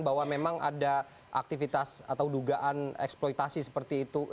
bahwa memang ada aktivitas atau dugaan eksploitasi seperti itu